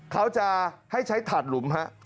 เขาจะให้ใช้ถาดหลุมฮะ